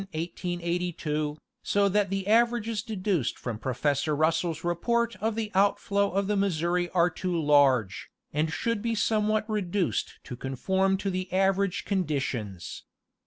1882, so that the averages deduced from Professor Russell's report of the outflow of the Missouri are too large, and should be somewhat reduced to conform to the average conditions.